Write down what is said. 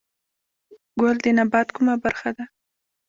ګل د نبات کومه برخه ده؟